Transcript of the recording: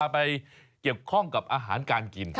ไปเกี่ยวข้องกับอาหารการกิน